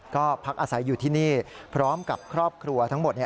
ก็พักอาศัยอยู่ที่นี่พร้อมกับครอบครัวทั้งหมด